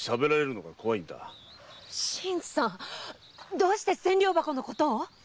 どうして千両箱のことを？